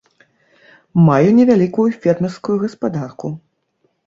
Маю невялікую фермерскую гаспадарку.